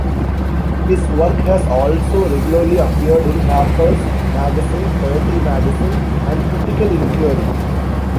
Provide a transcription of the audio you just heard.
His work has also regularly appeared in Harper's Magazine, Poetry Magazine, and Critical Inquiry.